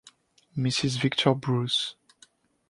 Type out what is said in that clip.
Mrs Victor Bruce.